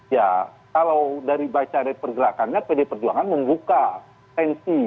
ya kalau dari bacaan pergerakannya pdp perjuangan membuka sensi